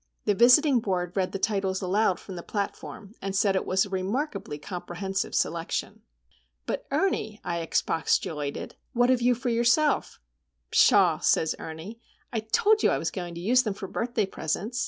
The Visiting Board read the titles aloud from the platform, and said it was 'a remarkably comprehensive selection.'" "But, Ernie," I expostulated, "what have you for yourself?" "Pshaw!" says Ernie—"I told you I was going to use them for birthday presents.